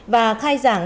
và khai giảng